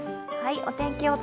お天気